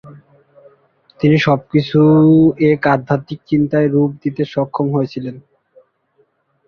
তিনি সব কিছুকে এক আধ্যাত্মিক চিন্তায় রূপ দিতে সক্ষম হয়েছিলেন।